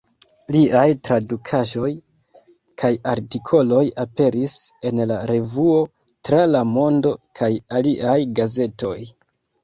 Liaj tradukaĵoj kaj artikoloj aperis en "La Revuo, Tra la Mondo" kaj aliaj gazetoj.